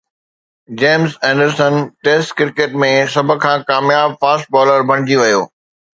James Anderson test cricket ۾ سڀ کان ڪامياب فاسٽ بالر بڻجي ويو